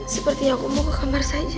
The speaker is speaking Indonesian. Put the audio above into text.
seperti aku mau ke kamar saya